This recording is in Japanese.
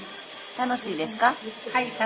楽しいですよ」